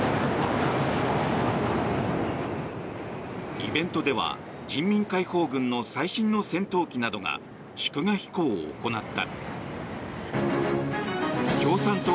イベントでは人民解放軍の最新の戦闘機などが祝賀飛行を行った。